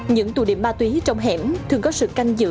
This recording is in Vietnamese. những tù điểm ma túy trong hẻm thường có sự canh giữ